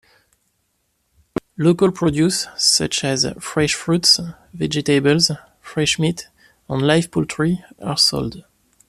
Local produce such as fresh fruits, vegetables, fresh meat and live poultry are sold.